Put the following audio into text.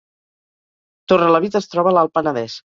Torrelavit es troba a l’Alt Penedès